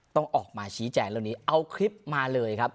ต้องออกมาชี้แจงเรื่องนี้เอาคลิปมาเลยครับ